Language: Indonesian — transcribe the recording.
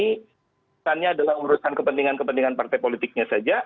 ini urusannya adalah urusan kepentingan kepentingan partai politiknya saja